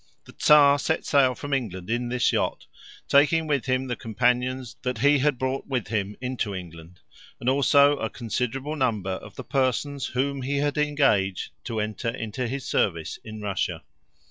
The Czar set sail from England in this yacht, taking with him the companions that he had brought with him into England, and also a considerable number of the persons whom he had engaged to enter into his service in Russia.